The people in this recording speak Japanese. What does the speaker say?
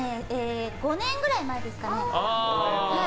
５年くらい前ですかね。